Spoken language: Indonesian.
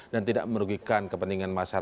dan tidak merugikan kepentingan masyarakat lain